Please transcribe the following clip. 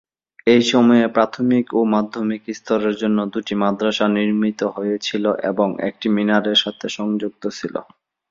এই সময়ে, প্রাথমিক ও মাধ্যমিক স্তরের জন্য দুটি মাদ্রাসা নির্মিত হয়েছিল এবং একটি মিনারের সাথে সংযুক্ত ছিল।